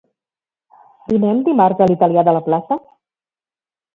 Dinem dimarts a l'italià de la plaça?